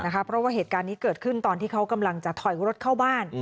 เพราะว่าเหตุการณ์นี้เกิดขึ้นตอนที่เขากำลังจะถอยรถเข้าบ้าน